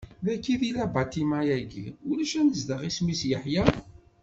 Dagi, di labaṭima-agi ulac anezdaɣ isem-is Yeḥya.